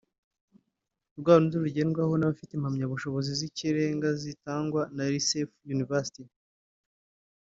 rwarundi rugerwaho n’abafite impamyabushobozi z’ikirenga zitangwa na Lucifer University